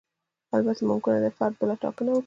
البته ممکنه ده فرد بله ټاکنه وکړي.